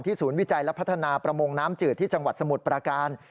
ศูนย์วิจัยและพัฒนาประมงน้ำจืดที่จังหวัดสมุทรประการ